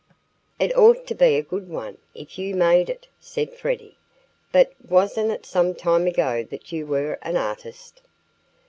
"It ought to be a good one, if you made it," said Freddie. "But wasn't it some time ago that you were an artist?"